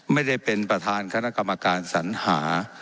ไม่ได้เป็นประธานคณะกรรมการสัญหา